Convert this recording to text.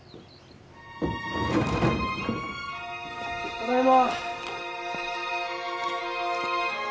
ただいま。